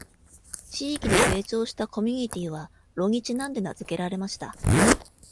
地域で成長したコミュニティは、炉にちなんで名付けられました。